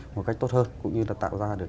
một cách tốt hơn cũng như là tạo ra được